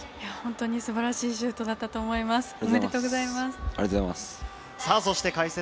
本当に素晴らしいシュートだったと思います。